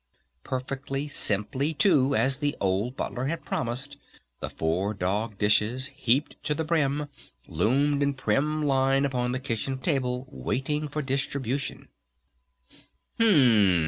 Perfectly simply too as the old Butler had promised, the four dog dishes, heaping to the brim, loomed in prim line upon the kitchen table waiting for distribution.